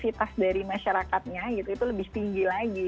kecerdasan dari masyarakatnya itu lebih tinggi lagi